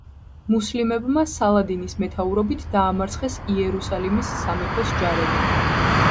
მუსლიმებმა სალადინის მეთაურობით დაამარცხეს იერუსალიმის სამეფოს ჯარები.